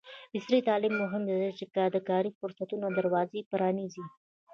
عصري تعلیم مهم دی ځکه چې د کاري فرصتونو دروازې پرانیزي.